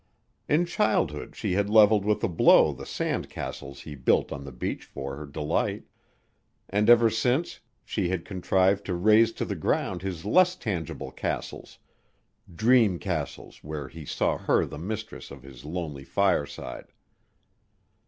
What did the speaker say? In childhood she had leveled with a blow the sand castles he built on the beach for her delight, and ever since she had contrived to raze to the ground his less tangible castles, dream castles where he saw her the mistress of his lonely fireside.